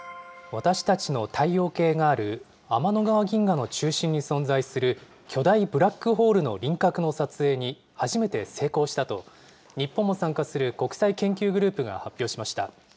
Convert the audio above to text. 私たちの太陽系がある天の川銀河の中心に存在する巨大ブラックホールの輪郭の撮影に初めて成功したと、日本も参加する国際研究グループが発表しました。